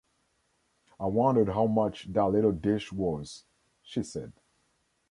“I wondered how much that little dish was,” she said.